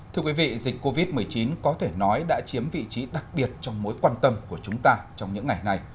thưa quý vị dịch covid một mươi chín có thể nói đã chiếm vị trí đặc biệt trong mối quan tâm của chúng ta trong những ngày này